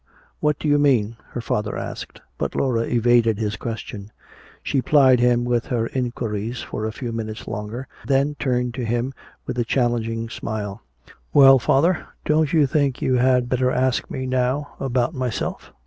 "What do you mean?" her father asked, but Laura evaded his question. She plied him with her inquiries for a few minutes longer, then turned to him with a challenging smile: "Well, father, don't you think you had better ask me now about myself?"